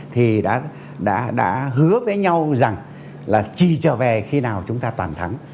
thì đã hứa với nhau rằng là chỉ trở về khi nào chúng ta toàn thắng